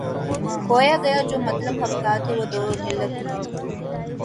کھویا گیا جو مطلب ہفتاد و دو ملت میں